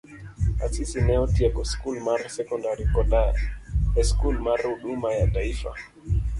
Asisi ne otieko skul mar sekondari koda e skul mar Huduma ya Taifa